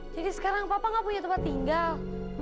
jadi sekarang papa nggak punya tempat tinggal